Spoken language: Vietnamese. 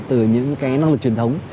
từ những năng lực truyền thống